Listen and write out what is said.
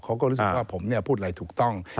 เขาก็รู้สึกว่าผมพูดอะไรถูกต้อง